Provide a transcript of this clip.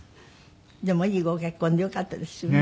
でもいいご結婚でよかったですね。